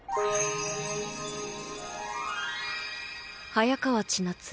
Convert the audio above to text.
早川千夏